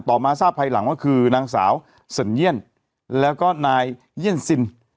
มาทราบภายหลังว่าคือนางสาวสัญเยี่ยนแล้วก็นายเยี่ยนซิน